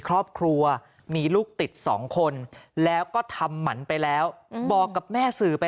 ครอบครัวมีลูกติด๒คนแล้วก็ทำหมันไปแล้วบอกกับแม่สื่อไป